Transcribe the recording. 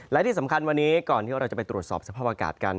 และที่สำคัญวันนี้ก่อนที่เราจะไปตรวจสอบสภาพอากาศกัน